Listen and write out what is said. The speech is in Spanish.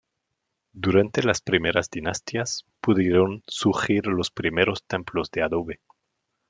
Durante las primeras dinastías pudieron surgir los primeros templos de adobe.